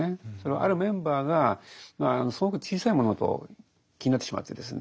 あるメンバーがすごく小さい物事を気になってしまってですね